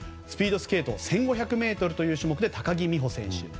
スピードスケート１５００ｍの種目で高木美帆選手